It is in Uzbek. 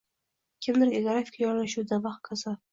kimdir geografik joylashuvidan va hokazo.